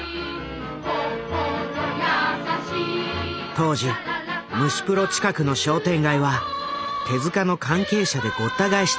当時虫プロ近くの商店街は手の関係者でごった返していた。